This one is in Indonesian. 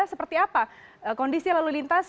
seperti apa kondisi lalu lintas